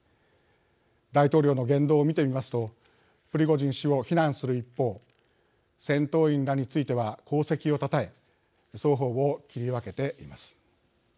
大統領の言動を見てみますとプリゴジン氏を非難する一方戦闘員らについては功績をたたえ双方を切り分けています。